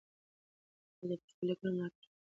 هغه د پښتو ليکنو ملاتړ کاوه.